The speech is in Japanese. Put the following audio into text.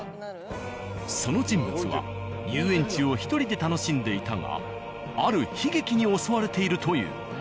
その人物は遊園地を１人で楽しんでいたがある悲劇に襲われているという。